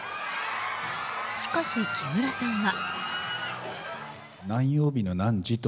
しかし、木村さんは。